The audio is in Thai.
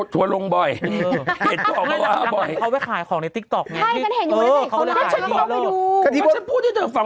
ถ้าฉันพูดให้เธอฟัง